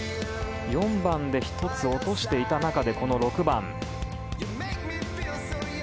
４番で１つ落としていた中でこの６番。